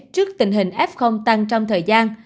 trước tình hình f tăng trong thời gian